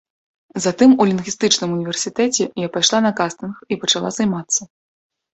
Затым у лінгвістычным універсітэце я пайшла на кастынг і пачала займацца.